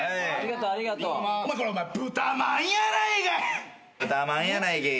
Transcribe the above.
これお前豚まんやないかい！